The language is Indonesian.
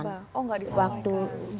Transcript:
yang tidak disampaikan